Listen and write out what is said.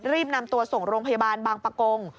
รีบนำตัวส่งโรงพยาบาลบางปะกง